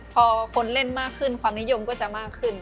พอคนเล่นมากขึ้นความนิยมก็จะมากขึ้น